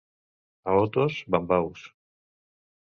A Otos, bambaus.